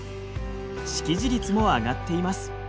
識字率も上がっています。